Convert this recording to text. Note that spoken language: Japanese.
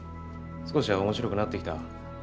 少しは面白くなってきた？